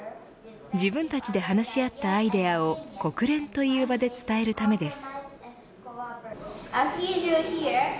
自分たちで話し合ったアイデアを国連という場で伝えるためです。